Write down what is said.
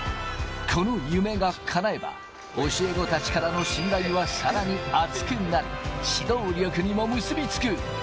この夢がかなえば、教え子たちからの信頼は、さらに厚くなり、指導力にも結び付く。